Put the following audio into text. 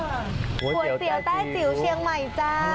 ก๋วยเตี๋ยวแต้จิ๋วเชียงใหม่จ้า